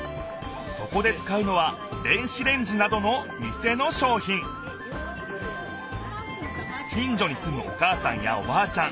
そこで使うのは電子レンジなどの店のしょうひん近じょにすむおかあさんやおばあちゃん